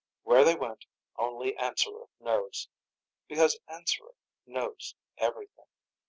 Where they went only Answerer knows. Because Answerer knows everything.